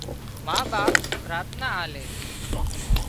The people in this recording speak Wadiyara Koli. ما ٻاپ پراٿنا آلي